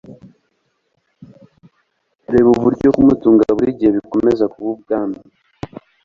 Reba uburyo kumutunga buri gihe bikomeza kuba ubwami